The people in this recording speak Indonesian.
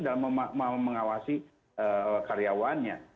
dalam mengawasi karyawannya